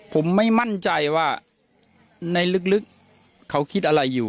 ผมไม่มั่นใจว่าในลึกเขาคิดอะไรอยู่